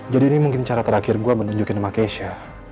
jadi ini mungkin cara terakhir gue menunjukin sama keisha